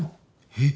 えっ。